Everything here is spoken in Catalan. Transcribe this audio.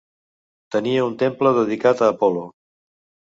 Tenia un temple dedicat a Apol·lo.